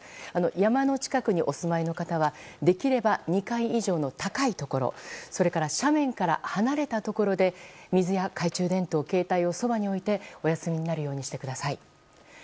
山の近くにお住まいの方はできれば２階以上の高いところそれから斜面から離れたところで水や懐中電灯携帯をそばに置いてお休みになるようにしてください。